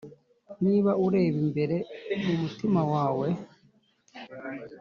niba ureba imbere mu mutima wawe